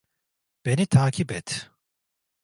Beni takip et.